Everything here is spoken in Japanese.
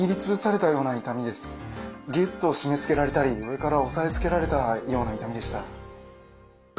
ぎゅっと締め付けられたり上から押さえつけられたような痛みでした。